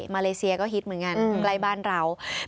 มาเลเซียก็ฮิตเหมือนกันใกล้บ้านเรา